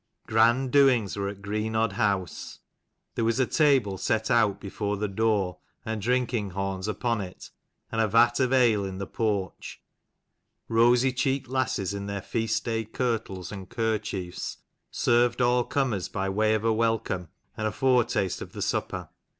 RAND doings were at CHAPTER 'Greenodd house. There was XXVI. THE }a table set out before the door ARVALE 'and drinking horns upon it, FOR SWEIN ( and a vat of ale in the porch. BIORNSON. 'Rosy cheeked lasses, in their feast day kirtles and kerchiefs, served all comers by way of a welcome and a foretaste of the supper.